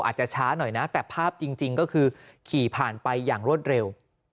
อาจจะช้าหน่อยนะแต่ภาพจริงก็คือขี่ผ่านไปอย่างรวดเร็ว